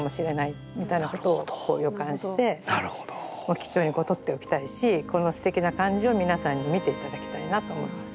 貴重に取っておきたいしこのすてきな感じを皆さんに見て頂きたいなと思います。